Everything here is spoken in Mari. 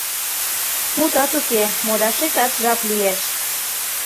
Мутат уке, модашетат жап лиеш.